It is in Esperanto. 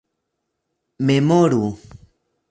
memoru